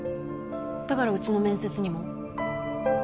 だからうちの面接にも？